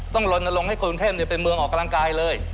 ลนลงให้คนกรุงเทพเป็นเมืองออกกำลังกายเลย